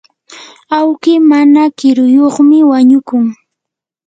awki mana kiruyuqmi wañukun.